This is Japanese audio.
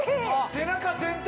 背中全体！